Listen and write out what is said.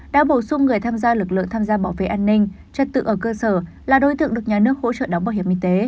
đã bổ sung người tham gia lực lượng tham gia bảo vệ an ninh trật tự ở cơ sở là đối tượng được nhà nước hỗ trợ đóng bảo hiểm y tế